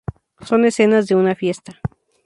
Son escenas de una fiesta.